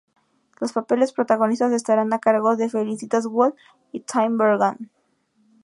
Los papeles protagonistas estarán a cargo de Felicitas Woll y Tim Bergman.